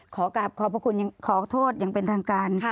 ขอกลับขอบพระคุณขอโทษอย่างเป็นทางการ